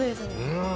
うん！